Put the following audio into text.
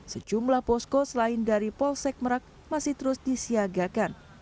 sejumlah posko selain dari polsek merak masih terus disiagakan